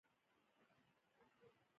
په نولس سوه او نهه څلوېښتم کې بدلون راغی.